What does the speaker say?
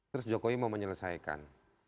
terus jokowi mau menyelesaikan